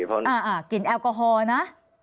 คือเป็นแอลกโอะฮอลนะ